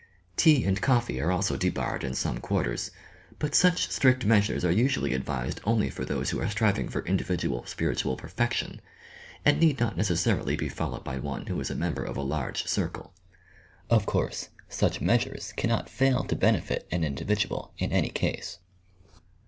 Tea and coffee are also debarred in some quarters; but aneh strict measures are usually advised only for those who are striving for individual spiritual perfection, and need not necessarily be followed by one who is a member of a large circle. Of course such measures can not fail to benefit an individual in any case.